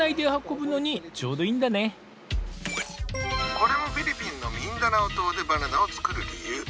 これもフィリピンのミンダナオ島でバナナを作る理由！